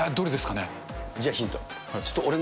じゃあヒント。